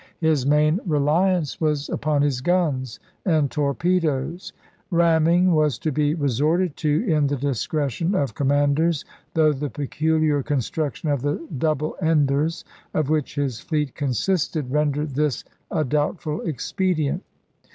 His main reliance was upon his guns and torpedoes; ram ming was to be resorted to in the discretion of com manders, though the peculiar construction of the double enders, of which his fleet consisted, ren dered this a doubtful expedient.